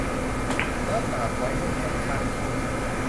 แล้วตากไว้ให้แห้งข้ามคืน